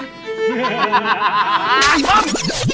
ต้ม